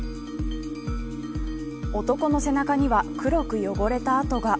男の背中には黒く汚れた跡が。